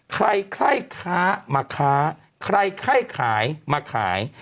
ใครใครค้ามาค้าใครไข้ขายมาขาย